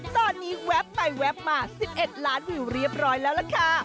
ตอนนี้แว๊บไปแวบมา๑๑ล้านวิวเรียบร้อยแล้วล่ะค่ะ